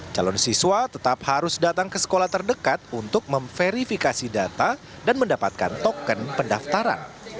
calon siswa tetap harus datang ke sekolah terdekat untuk memverifikasi data dan mendapatkan token pendaftaran